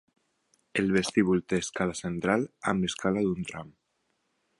El vestíbul té escala central amb escala d'un tram.